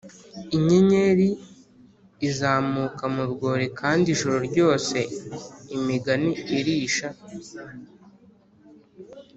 inyenyeri izamuka mu rwuri kandi ijoro ryose imigani irisha